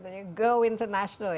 dan juga kembali bersama joe taslim